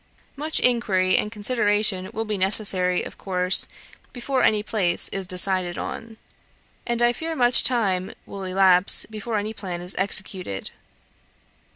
Much inquiry and consideration will be necessary, of course, before any place is decided on; and I fear much time will elapse before any plan is executed